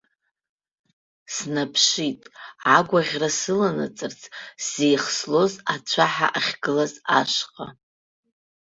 Снаԥшит, агәаӷьра сыланаҵарц сзеихслоз ацәаҳа ахьгылаз ашҟа.